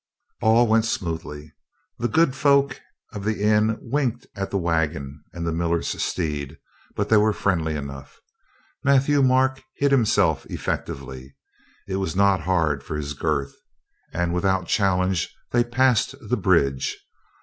All went smoothly. The good folk of the inn winked at the wagon and the miller's steed, but they were friendly enough. Matthieu Marc hid himself effectively — it was not hard for his girth — and with out challenge they passed the bridge.